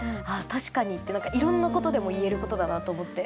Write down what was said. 確かにって何かいろんなことでもいえることだなと思って。